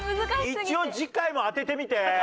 一応次回も当ててみて。